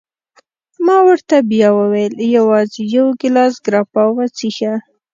ما ورته بیا وویل: یوازي یو ګیلاس ګراپا وڅېښه.